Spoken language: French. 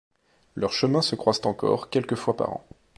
Leurs chemins se croisent encore quelques fois par an.